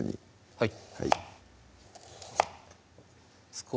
はい